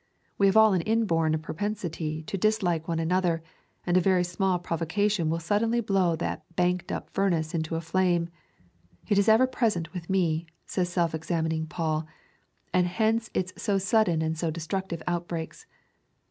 We have all an inborn propensity to dislike one another, and a very small provocation will suddenly blow that banked up furnace into a flame. It is ever present with me, says self examining Paul, and hence its so sudden and so destructive outbreaks.